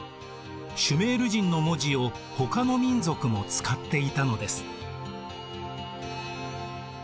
シュメール人の文字をほかの民族も使っていたのです。